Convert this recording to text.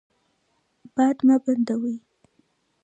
باد مه بندوئ.